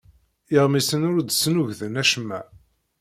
Iɣmisen ur d-snugden acemma.